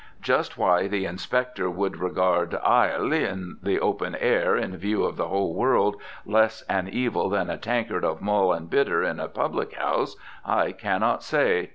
Just why the inspector would regard "ile" in the open air in view of the whole world less an evil than a tankard of mull and bitter in a public house I cannot say.